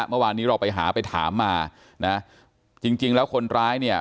เมื่อวานนี้เราไปหาไปถามมานะจริงจริงแล้วคนร้ายเนี่ย